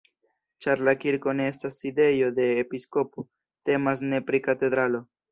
Ĉar la kirko ne estas sidejo de episkopo, temas ne pri katedralo.